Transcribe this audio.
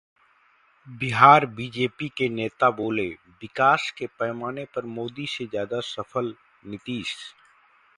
Bihar BJP के नेता बोले, विकास के पैमाने पर मोदी से ज्यादा सफल नीतीश